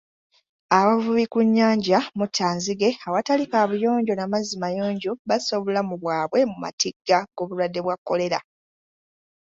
Abavubi ku nnyanja Muttanzige awatali kaabuyonjo na mazzi mayonjo bassa obulamu bwabwe mu matigga g'obulwadde bwa Kolera.